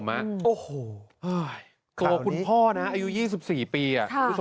ตัวคุณพ่ออายุ๒๔ปี